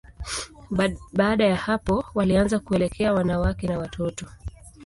Baada ya hapo, walianza kuelekea wanawake na watoto.